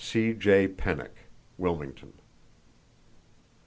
—(C.J. Pennock, Wilmington.)